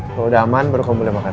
kalau udah aman baru kamu boleh makan